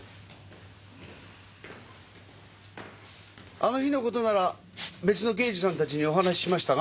あの日の事なら別の刑事さんたちにお話ししましたが？